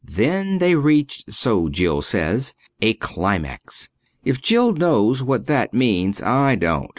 Then they reached so Jill says a climax. If Jill knows what that means I don't.